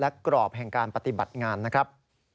และกรอบแห่งการปฏิบัติงานนะครับ